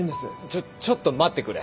ちょちょっと待ってくれ。